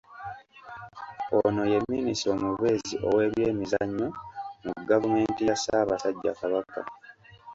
Ono ye minista omubeezi ow’ebyemizannyo mu gavumenti ya Ssaabasajja Kabaka.